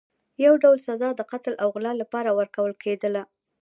یو ډول سزا د قتل او غلا لپاره ورکول کېدله.